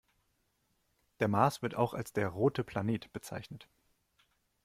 Der Mars wird auch als der „rote Planet“ bezeichnet.